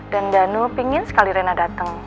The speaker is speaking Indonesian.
dan danu pingin sekali rena dateng